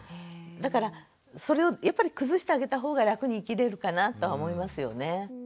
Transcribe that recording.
だからそれをやっぱり崩してあげた方が楽に生きれるかなとは思いますよね。